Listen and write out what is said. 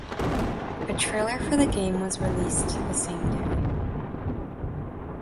A trailer for the game was released the same day.